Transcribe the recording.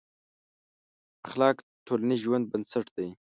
اخلاق د ټولنیز ژوند بنسټ دی.